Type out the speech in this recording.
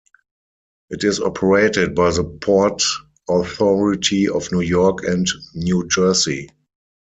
It is operated by the Port Authority of New York and New Jersey.